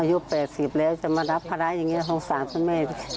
อายุ๘๐แล้วจะมารับภาระอย่างนี้สงสารคุณแม่